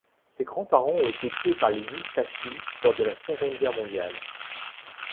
Ses grands-parents ont été tués par les Oustachis lors de la Seconde Guerre mondiale.